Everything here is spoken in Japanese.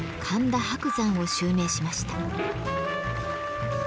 神田伯山を襲名しました。